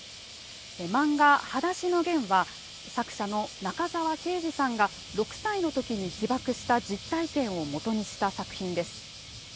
漫画「はだしのゲン」は作者の中沢啓治さんが６歳の時に被爆した実体験をもとにした作品です。